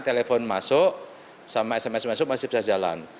telepon masuk sama sms masuk masih bisa jalan